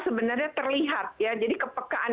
sebenarnya terlihat jadi kepekaan